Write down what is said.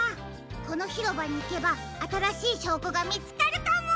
このひろばにいけばあたらしいしょうこがみつかるかも！